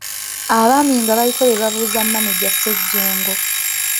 Abaami nga baliko bye babuuza Mmaneja Ssejjengo.